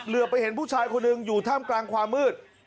ไปเห็นผู้ชายคนหนึ่งอยู่ท่ามกลางความมืด